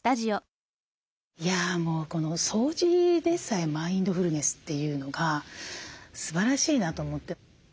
もう掃除でさえマインドフルネスというのがすばらしいなと思って。